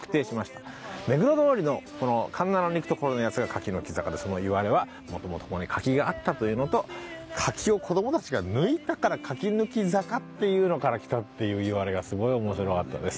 目黒通りのこの環七に行くところのやつが柿の木坂でそのいわれは元々ここに柿があったというのと柿を子供たちが抜いたから柿抜き坂っていうのから来たっていういわれがすごい面白かったです。